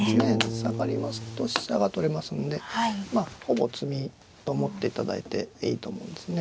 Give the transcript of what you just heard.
下がりますと飛車が取れますのでまあほぼ詰みと思っていただいていいと思うんですね。